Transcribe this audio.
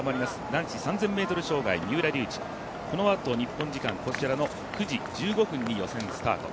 男子３０００ｍ障害三浦龍司、このあと日本時間９時１５分に予選スタート。